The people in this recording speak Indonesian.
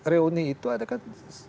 reuni itu adakah